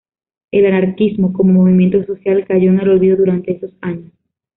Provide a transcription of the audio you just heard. El anarquismo -como movimiento social- cayó en el olvido durante esos años.